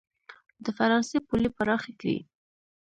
د فرانسې پولې پراخې کړي.